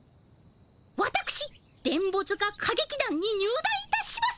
わたくし電ボ塚歌劇団に入団いたします！